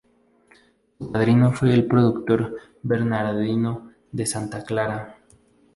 Su padrino fue el procurador Bernardino de Santa Clara.